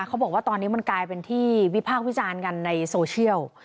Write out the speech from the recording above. เขาบอกว่าตอนนี้มันกลายเป็นที่วิพากษ์วิจารณ์กันในโซเชียล